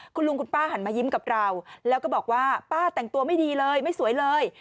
คุณลุงคุณป้าหันมายิ้มกับเราแล้วก็บอกว่าป้าแต่งตัวไม่ดีเลยไม่สวยเลย